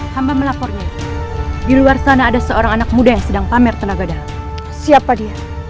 hamba melapornya di luar sana ada seorang anak muda yang sedang pamer tenaga dalam siapa dia